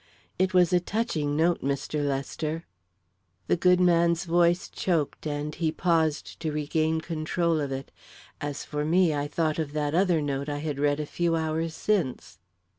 It was a touching note, Mr. Lester." The good man's voice choked and he paused to regain control of it. As for me, I thought of that other note I had read a few hours since.